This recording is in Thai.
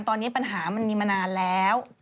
ตอนนี้ปัญหามันมีมานานแล้ว